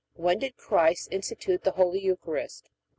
When did Christ institute the Holy Eucharist?